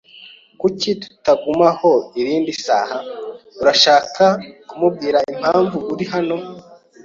Kuki tutagumaho irindi saha? Urashobora kumbwira impamvu uri hano?